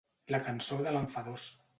La cançó de l'enfadós.